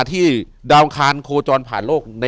อยู่ที่แม่ศรีวิรัยิลครับ